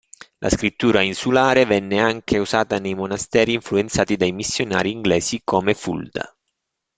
La scrittura insulare venne anche usata nei monasteri influenzati dai missionari inglesi come Fulda.